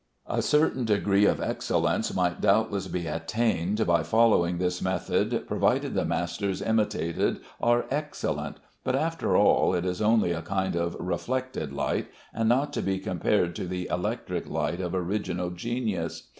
A certain degree of excellence may doubtless be attained by following this method, provided the masters imitated are excellent, but, after all, it is only a kind of reflected light, and not to be compared to the electric light of original genius.